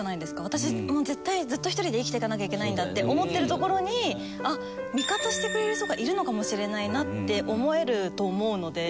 私もう絶対ずっと１人で生きていかなきゃいけないんだって思ってるところにあっ味方してくれる人がいるのかもしれないなって思えると思うので。